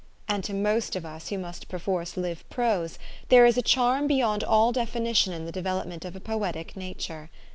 And to most of us who must perforce live prose, there is a charm be yond all definition in the development of a poetic nature.